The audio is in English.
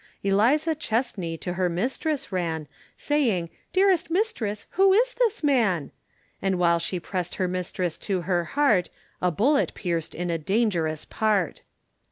Eliza Chestney to her Mistress ran, Saying, "dearest mistress, who is this man?" And, while she pressed her mistress to her heart, A bullet pierced in a dangerous part.